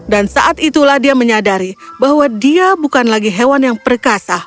dan saat itulah dia menyadari bahwa dia bukan lagi hewan yang perkasa